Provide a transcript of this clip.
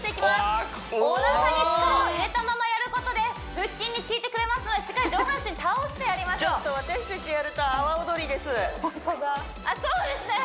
うわおなかに力を入れたままやることで腹筋にきいてくれますのでしっかり上半身倒してやりましょうホントだあっそうですね！